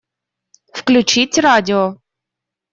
Включить радио.